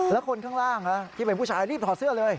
แล้วคนข้างล่างที่เป็นผู้ชายรีบถอดเสื้อเลย